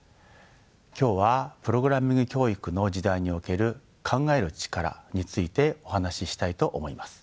今日はプログラミング教育の時代における考える力についてお話ししたいと思います。